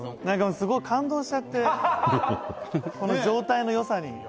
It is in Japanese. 「なんかすごい感動しちゃってこの状態の良さに」